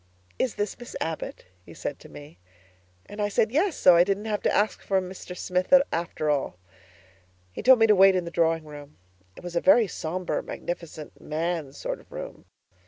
'Is this Miss Abbott?' he said to me, and I said, 'Yes,' so I didn't have to ask for Mr. Smith after all. He told me to wait in the drawing room. It was a very sombre, magnificent, man's sort of room.